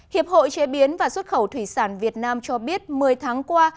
hiệp hội chế biến và xuất khẩu thủy sản việt nam cho biết một mươi tháng qua